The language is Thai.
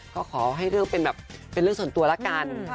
ก็ขอให้เรื่องเป็นแบบเป็นเรื่องส่วนตัวละกัน